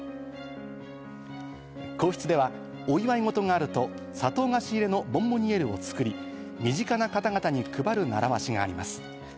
皇室ではお祝いごとがあると、砂糖菓子入れのボンボニエールを作り、身近な方々に配る習わしがあります。